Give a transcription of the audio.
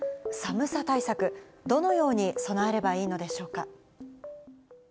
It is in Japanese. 寒さ対策、どのように備えればいいのでしょうか。